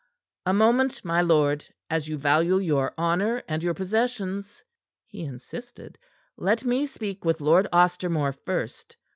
"A moment, my lord, as you value your honor and your possessions!" he insisted. "Let me speak with Lord Ostermore first.